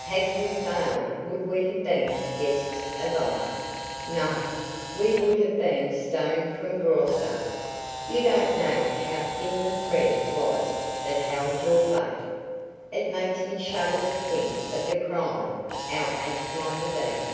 Had we failed would we have been guests of honor? No! We would have been stoned from Graustark. You don't know how thin the thread was that held your fate. It makes me shudder to think of the crime our act might have been.